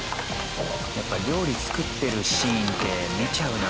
やっぱ料理作ってるシーンって見ちゃうな。